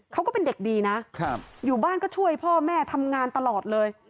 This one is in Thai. ก็เป็นเด็กดีนะอยู่บ้านก็ช่วยพ่อแม่ทำงานตลอดเลย